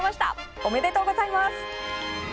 おめでとうございます！